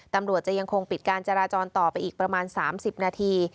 ตำรวจจะยังคงปิดการจราจรต่อไปอีกประมาณ๓๐นาที